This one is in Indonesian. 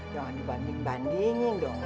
jangan dibanding bandingin dong